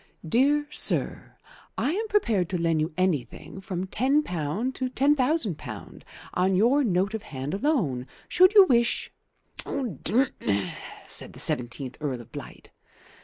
"DEAR SIR, I am prepared to lend you anything from £10 to £10,000 on your note of hand alone. Should you wish " "D n!" said the seventeenth Earl of Blight.